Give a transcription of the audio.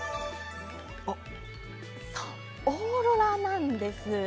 オーロラなんです。